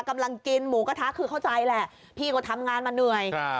กำลังกินหมูกระทะคือเข้าใจแหละพี่ก็ทำงานมาเหนื่อย